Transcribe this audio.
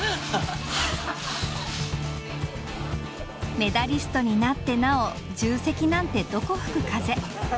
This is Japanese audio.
メダリストになってなお重責なんてどこ吹く風。